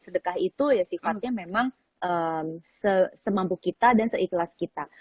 sedekah itu ya sifatnya memang semampu kita dan seikhlas kita